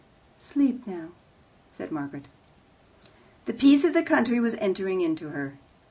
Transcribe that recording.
"Sleep now," said Margaret. The peace of the country was entering into her.